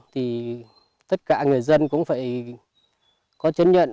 thì tất cả người dân cũng phải có chứng nhận